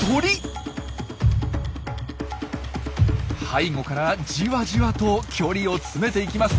背後からじわじわと距離を詰めていきます。